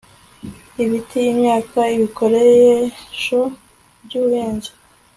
ibiti imyaka ibikoresho by ubuhinzi